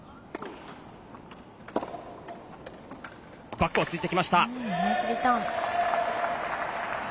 バックをついてきました。